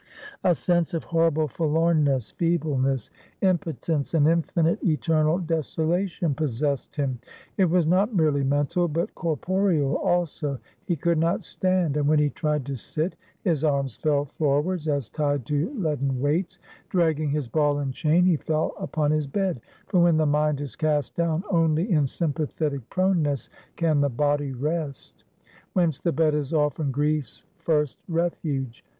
A sense of horrible forlornness, feebleness, impotence, and infinite, eternal desolation possessed him. It was not merely mental, but corporeal also. He could not stand; and when he tried to sit, his arms fell floorwards as tied to leaden weights. Dragging his ball and chain, he fell upon his bed; for when the mind is cast down, only in sympathetic proneness can the body rest; whence the bed is often Grief's first refuge.